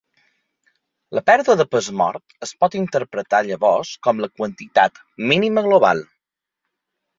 La pèrdua de pes mort, es pot interpretar llavors, com la quantitat mínima global.